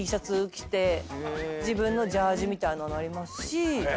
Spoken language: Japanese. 自分のジャージーみたいなのありますし。